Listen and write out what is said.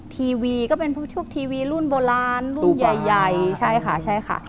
ทีวีก็เป็นทุกทีวีรุ่นโบราณรุ่นใหญ่